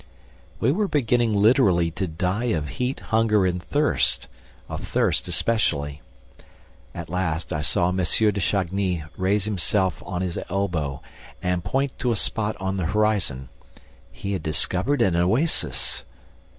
We were beginning literally to die of heat, hunger and thirst ... of thirst especially. At last, I saw M. de Chagny raise himself on his elbow and point to a spot on the horizon. He had discovered an oasis!